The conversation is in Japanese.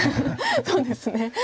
そうですね。